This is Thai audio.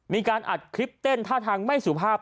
มีการอัดคลิปเต้นท่าทางไม่สุภาพ